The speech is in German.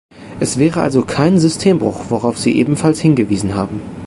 Es wäre also kein Systembruch, worauf Sie ebenfalls hingewiesen haben.